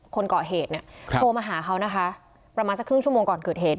คนเกาะเหตุเนี่ยโทรมาหาเขานะคะประมาณสักครึ่งชั่วโมงก่อนเกิดเหตุ